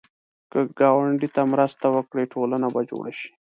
که ګاونډي ته مرسته وکړې، ټولنه به جوړه شي